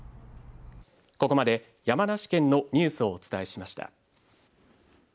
ここまで山梨県のニュースをお伝えしました。